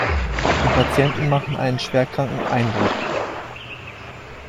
Die Patienten machen einen schwerkranken Eindruck.